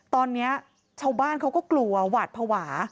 ตอนนี้ชาวบ้านเขาก็กลัวหวาดภาวะ